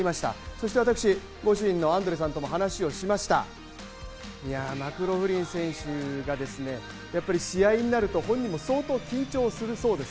そして私、ご主人とも話をしましたマクローフリン選手が試合になると本人も相当緊張するそうです。